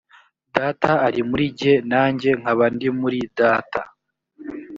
data ari muri jye nanjye nkaba ndi muri data